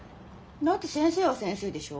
だって先生は先生でしょ。